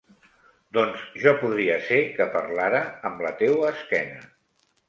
Doncs, jo podria ser que parlara amb la teua esquena.